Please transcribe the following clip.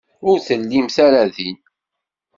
Ur tellimt ara din.